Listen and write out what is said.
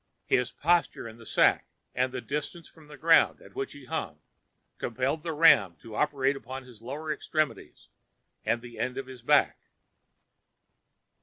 His posture in the sack and the distance from the ground at which he hung compelled the ram to operate upon his lower extremities and the end of his back.